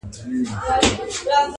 چي ژوندی وي د سړي غوندي به ښوري،